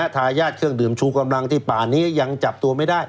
ทายาทเครื่องดื่มชูกำลังที่ป่านี้ยังจับตัวไม่ได้